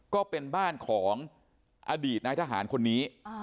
ก็เป็นบ้านของอดีตนายทหารคนนี้